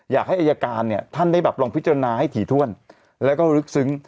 อยากให้อายการเนี่ยท่านได้แบบลองพิจารณาให้ถี่ถ้วนแล้วก็ลึกซึ้ง